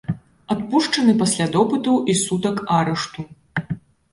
Адпушчаны пасля допыту і сутак арышту.